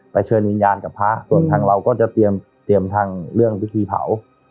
เชิญวิญญาณกับพระส่วนทางเราก็จะเตรียมทางเรื่องพิธีเผา